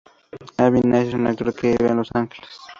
Avi Nash es un actor que vive en Los Ángeles.